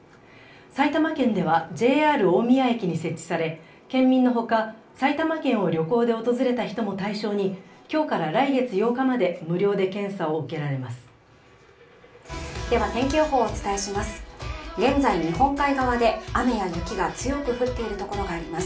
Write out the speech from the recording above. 埼玉県ではＪＲ大宮駅に設置され県民のほか、埼玉県を旅行で訪れた人も対象に今日から来月８日まで無料で検査を受けられます。